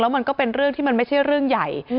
มันก็เป็นเรื่องที่มันไม่ใช่เรื่องใหญ่